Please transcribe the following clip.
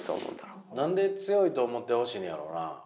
何で強いと思ってほしいんやろうな？